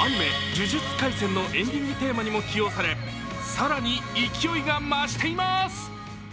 「呪術廻戦」のエンディングテーマにも起用され、更に勢いが増しています。